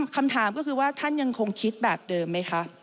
คำถามก็คือว่าท่านยังคงคิดแบบเดิมไหมคะ